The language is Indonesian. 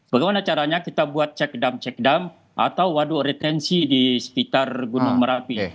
bagaimana caranya kita buat check um check dam atau waduk retensi di sekitar gunung merapi